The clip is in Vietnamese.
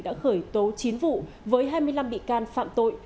đã khởi tố chín vụ với hai mươi năm bị can phạm tội